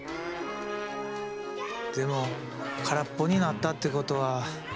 でも空っぽになったってことは。